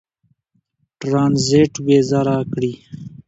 ټرنزیټ وېزه راکړي.